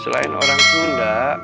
selain orang sunda